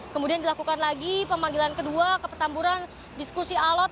kemudian dilakukan lagi pemanggilan kedua kepertamburan diskusi alat